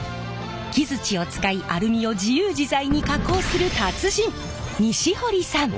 木づちを使いアルミを自由自在に加工する達人西堀さん！